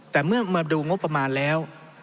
แต่เมื่อมาดูงบประมาณแล้ว